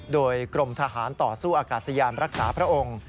โดยกรมทหารต่อสู้อากาศยานรักษาพระองค์